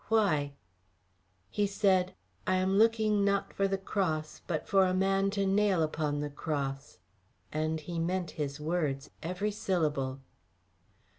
"Why?" "He said, 'I am looking, not for the cross, but for a man to nail upon the cross,' and he meant his words, every syllable."